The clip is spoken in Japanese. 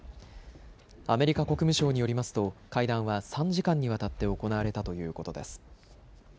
アメリカ国務省によりますと会談は３時間にわたって行われたということです。